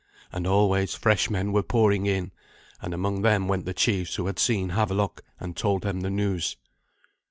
And always fresh men were pouring in, and among them went the chiefs who had seen Havelok, and told them the news.